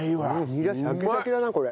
ニラシャキシャキだなこれ。